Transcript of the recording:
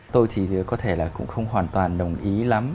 tôi thì có thể là cũng không hoàn toàn đồng ý lắm